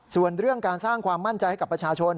ส่วนเรื่องการสร้างความมั่นใจให้กับประชาชน